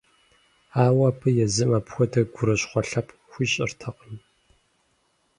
Ауэ абы езым апхуэдэ гурыщхъуэ лъэпкъ хуищӏыртэкъым.